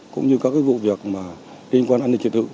cũng như các vụ việc liên quan an ninh trật tự